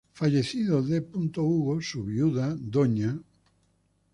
Fallecido D. Hugo, su viuda, Dña.